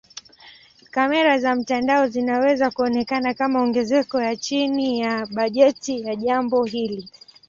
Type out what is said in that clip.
Kamera za mtandao zinaweza kuonekana kama ongezeko ya chini ya bajeti ya jambo hili.